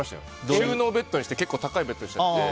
収納ベッドにして結構高いベッドにしちゃって。